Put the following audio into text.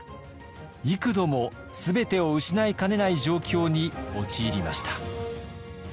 幾度も全てを失いかねない状況に陥りました。